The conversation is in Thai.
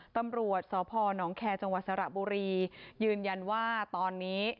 ตำรวจสพนแคร์จังหวัดสระบุรียืนยันว่าตอนนี้